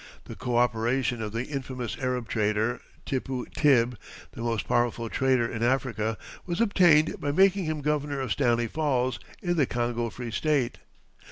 The co operation of the infamous Arab trader, Tippu Tib, the most powerful trader in Africa, was obtained by making him governor of Stanley Falls, in the Congo Free State.